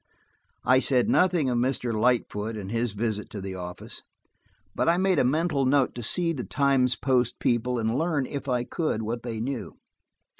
I said nothing of Mr. Lightfoot, and his visit to the office, but I made a mental note to see the Times Post people and learn, if I could, what they knew.